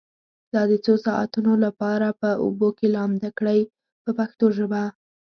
دا د څو ساعتونو لپاره په اوبو کې لامده کړئ په پښتو ژبه.